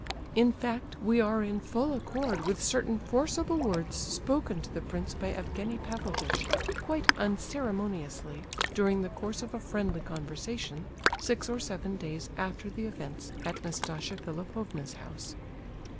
In fact we are in full accord with certain forcible words spoken to the prince by Evgenie Pavlovitch, quite unceremoniously, during the course of a friendly conversation, six or seven days after the events at Nastasia Philipovna's house.